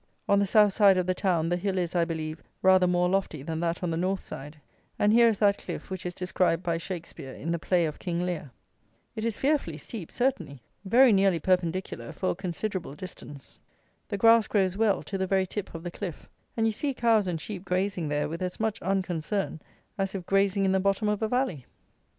On the south side of the town, the hill is, I believe, rather more lofty than that on the north side; and here is that Cliff which is described by Shakspeare in the Play of King Lear. It is fearfully steep, certainly. Very nearly perpendicular for a considerable distance. The grass grows well, to the very tip of the cliff; and you see cows and sheep grazing there with as much unconcern as if grazing in the bottom of a valley.